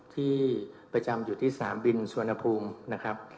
ที่ประจำอยู่ที่สนามบินสุวรรณภูมินะครับ